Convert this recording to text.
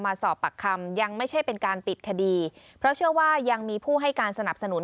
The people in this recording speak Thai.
มาสอบปากคำยังไม่ใช่เป็นการปิดคดีเพราะเชื่อว่ายังมีผู้ให้การสนับสนุน